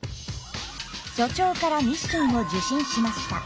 所長からミッションを受信しました。